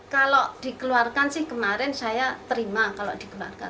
kalau dikeluarkan sih kemarin saya terima kalau dikeluarkan